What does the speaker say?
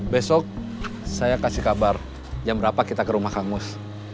besok saya kasih kabar jam berapa kita ke rumah kamus